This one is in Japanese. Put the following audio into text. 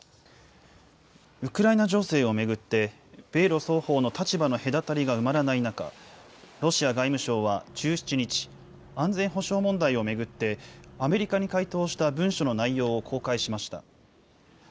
ウクライナ情勢を巡って、米ロ双方の立場の隔たりが埋まらない中、ロシア外務省は１７日、安全保障問題を巡って、アメリカに回答した文書の内容を公開しました。